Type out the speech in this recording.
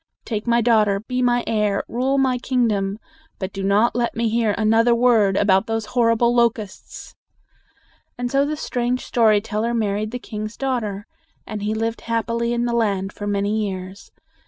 Take my daughter; be my heir; rule my kingdom. But do not let me hear another word about those horrible locusts!" And so the strange story teller married the king's daughter. And he lived happily in the land for many years.